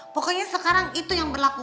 pokoknya sekarang itu yang berlaku